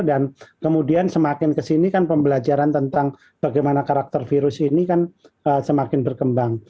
dan kemudian semakin kesini kan pembelajaran tentang bagaimana karakter virus ini kan semakin berkembang